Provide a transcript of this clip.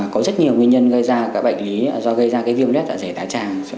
có rất nhiều nguyên nhân gây ra các bệnh lý do gây ra viêm lết dạ dày thái tràng